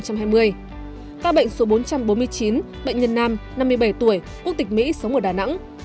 ca bệnh số bốn trăm bốn mươi chín bệnh nhân nam năm mươi bảy tuổi quốc tịch mỹ sống ở đà nẵng